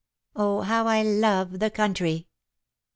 Oh, how I love the country!"